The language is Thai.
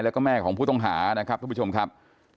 แล้วก็แม่ของผู้ต้องหานะครับทุกผู้ชมครับ